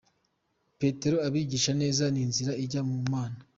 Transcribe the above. Petero abigisha neza inzira ijya ku Mana.